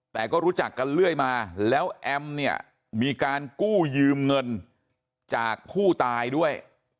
แต่ก็รู้จักกันเรื่อยมาแล้วแอมเนี่ยมีการกู้ยืมเงินจากผู้ตายด้วย